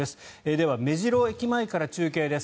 では、目白駅前から中継です。